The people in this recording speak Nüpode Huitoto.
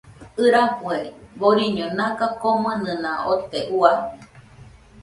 ɨrafue boriño naga komɨnɨna ote, Ua